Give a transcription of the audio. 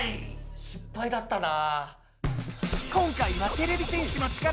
失敗だったな。